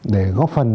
để góp phần